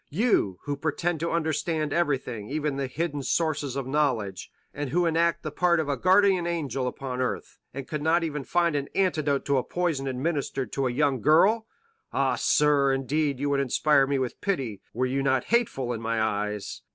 You, who pretend to understand everything, even the hidden sources of knowledge,—and who enact the part of a guardian angel upon earth, and could not even find an antidote to a poison administered to a young girl! Ah, sir, indeed you would inspire me with pity, were you not hateful in my eyes."